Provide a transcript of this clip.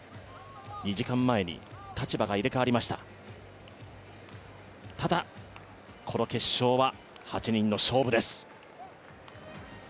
２時間前に立場が入れ代わりましたただ、この決勝は８人の勝負です。